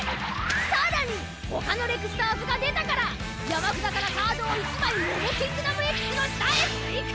更に他のレクスターズが出たから山札からカードを１枚モモキングダムＸの下へ追加！